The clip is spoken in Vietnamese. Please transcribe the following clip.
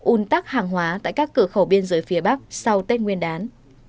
un tắc hàng hóa tại các cửa khẩu biên giới phía bắc sau tết nguyên đán